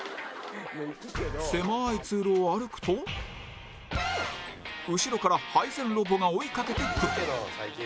狭い通路を歩くと後ろから配膳ロボが追いかけてくる